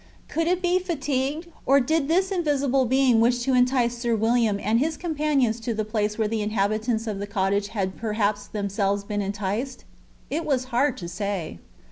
Could it be fatigued, or did this invisible being wish to entice Sir William and his companions to the place where the inhabitants of the cottage had perhaps themselves been enticed. It was hard to say.